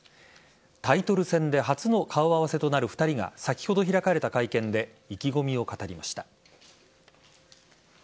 タイトル戦で初の顔合わせとなる２人が先ほど開かれた会見で意気込みを語りました。